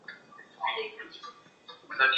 以两县首字为名。